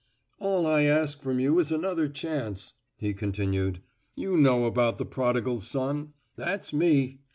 "All I ask from you is another chance," he continued. "You know about the prodigal son. That's me.